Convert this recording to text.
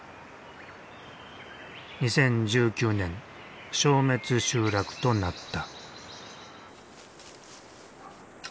２０１９年消滅集落となった。